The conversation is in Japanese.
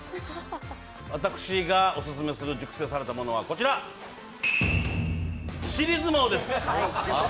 私がオススメする熟成されたものはこちら、尻相撲です。